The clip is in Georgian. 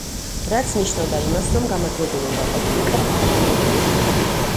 რაც ნიშნავდა იმას, რომ გამარჯვებული უნდა ყოფილიყო არაამერიკული ფილმი.